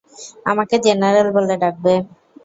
আমাকে জেনারেল বলে ডাকবে!